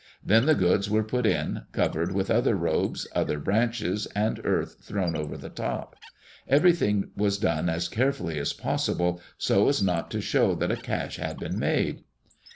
Then the goods were put in, covered with other robes, other branches, and earth thrown over the top. Every thing was done as carefully as possible, so as not to show that a cache had been made.